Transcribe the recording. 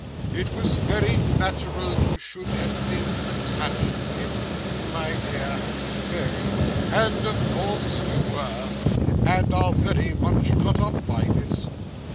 It was very natural you should have been attached to him, my dear very and of course you were, and are very much cut up by this.